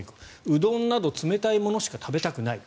うどんなど冷たいものしか食べたくない。